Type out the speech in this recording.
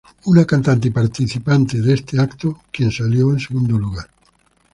Una cantante y participante de este evento, quien salió en segundo lugar.